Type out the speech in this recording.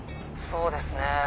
そうですね。